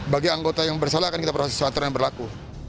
bagi anggota yang bersalah akan kita proses suatu aturan yang berlaku